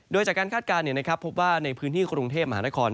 โดยจากการคาดการณ์พบว่าในพื้นที่กรุงเทพมหานคร